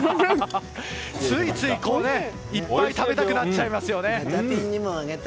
ついつい、いっぱい食べたくなっちゃいますよね。